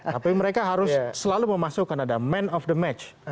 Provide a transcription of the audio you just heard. tapi mereka harus selalu memasukkan ada man of the match